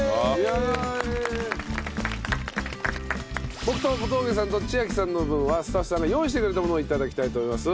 僕と小峠さんと千晶さんの分はスタッフさんが用意してくれたものを頂きたいと思います。